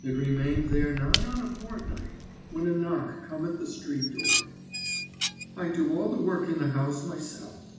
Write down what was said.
It remained there nigh on a fortnight, when a knock come at the street door. "I do all the work in the house myself.